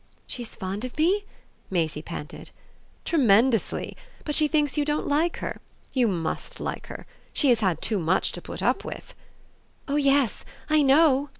"She's fond of me?" Maisie panted. "Tremendously. But she thinks you don't like her. You MUST like her. She has had too much to put up with." "Oh yes I know!"